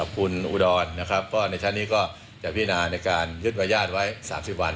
คุณอุดอลในชั้นนี้ก็แผ่นนาในการยึดบรรยาทไว้๓๐วัน